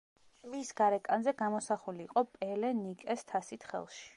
მის გარეკანზე გამოსახული იყო პელე ნიკეს თასით ხელში.